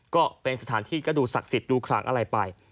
ก็เป็นสถานที่ก็ดูศักดิ์สิทธิ์ดูขลังอะไรไป